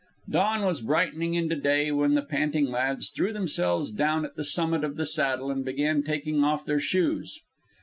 Dawn was brightening into day when the panting lads threw themselves down at the summit of the Saddle and began taking off their shoes.